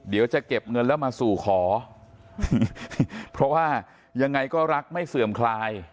เดี๋ยวจะเก็บเงินแล้วมาสู่ขอเพราะว่ายังไงก็รักไม่เสื่อมคลาย